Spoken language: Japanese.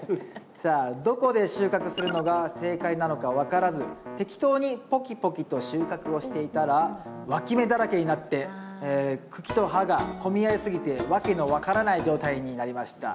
さあ「どこで収穫するのが正解なのか分からず適当にポキポキと収穫をしていたらわき芽だらけになって茎と葉が混み合い過ぎてわけの分からない状態になりました。